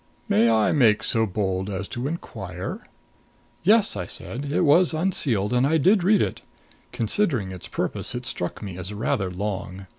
May I make so bold as to inquire " "Yes," said I. "It was unsealed and I did read it. Considering its purpose, it struck me as rather long.